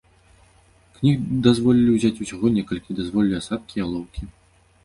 Кніг дазволілі ўзяць усяго некалькі, дазволілі асадкі і алоўкі.